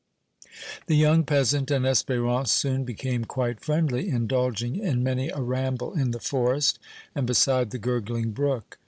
The young peasant and Espérance soon became quite friendly, indulging in many a ramble in the forest and beside the gurgling brook.